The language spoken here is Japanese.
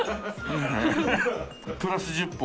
プラス１０歩。